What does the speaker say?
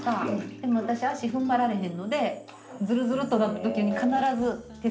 でも私足踏ん張られへんのでズルズルとなった時に必ず手すりは持ってます。